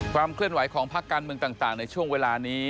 เคลื่อนไหวของพักการเมืองต่างในช่วงเวลานี้